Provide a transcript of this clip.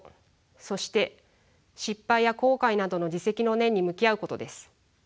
そして失敗や後悔などの自責の念に向き合うことです。